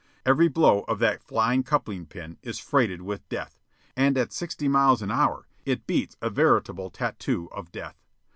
Every blow of that flying coupling pin is freighted with death, and at sixty miles an hour it beats a veritable tattoo of death.